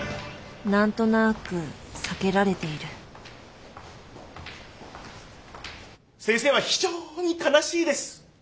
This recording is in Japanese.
何となく避けられている先生は非常に悲しいです。